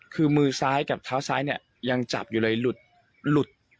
คือมือซ้ายกับเท้าซ้ายเนี่ยยังจับอยู่เลยหลุด